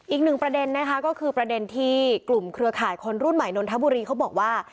อีกหนึ่งประเด็นนะคะก็คือประเด็นที่กลุ่มเครือข่ายคนรุ่นใหม่นนทบุรีเขาบอกว่า